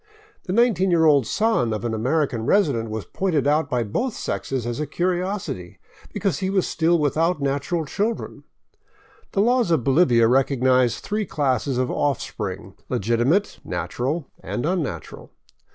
The nineteen year old son of an American resident was pointed out by both sexes as a curiosity, because he was still without natural children. The laws of Bolivia recognize three classes of offspring, — legitimate, natural, and unnatural.